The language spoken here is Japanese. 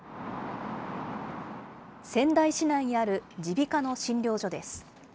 仙台市内にある耳鼻科の診療所です。